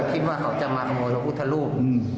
พระพุทธรูป